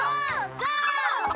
ゴー！